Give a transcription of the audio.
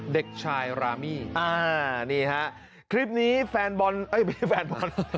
เด็กชายรามี่นี่ฮะคลิปนี้แฟนบอลเอ้ยไม่ใช่แฟนบอล